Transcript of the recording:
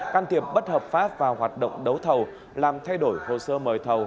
can thiệp bất hợp pháp vào hoạt động đấu thầu làm thay đổi hồ sơ mời thầu